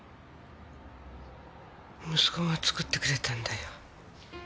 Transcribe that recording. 息子が作ってくれたんだよ。